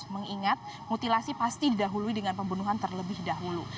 mengingat mutilasi pasti didahului dengan pembunuhan terlebih dahulu